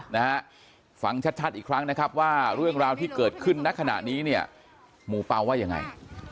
นะฮะฟังชัดชัดอีกครั้งนะครับว่าเรื่องราวที่เกิดขึ้นณขณะนี้เนี่ยหมู่เปล่าว่ายังไง